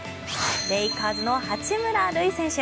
レイカーズの八村塁選手。